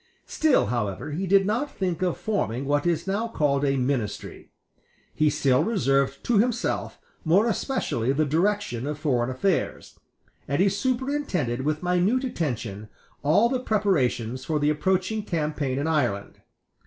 Still, however, he did not think of forming what is now called a ministry. He still reserved to himself more especially the direction of foreign affairs; and he superintended with minute attention all the preparations for the approaching campaign in Ireland.